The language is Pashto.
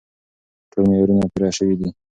ټول معیارونه پوره شوي دي.